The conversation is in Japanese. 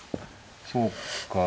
そうか。